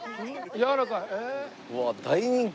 やわらかい。